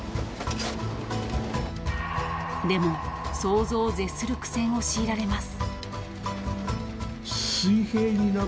［でも想像を絶する苦戦を強いられます］